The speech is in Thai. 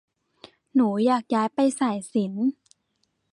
หนูอยากย้ายไปสายศิลป์